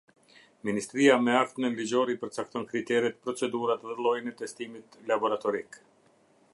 Ministria me akt nënligjor i përcakton kriteret, procedurat dhe llojin e testimit laboratorik.